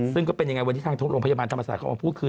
ซึ่งก็เป็นยังไงวันนี้ทางโรงพยาบาลธรรมศาสตร์เขาออกมาพูดคือ